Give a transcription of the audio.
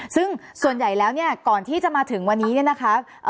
ซึ่งส่วนใหญ่แล้วเนี่ยก่อนที่จะมาถึงวันนี้เนี่ยนะคะ